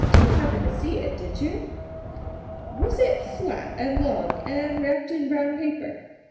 Didn 't happen to see it, did you ?'''' Was it flat and long and wrapped in brown paper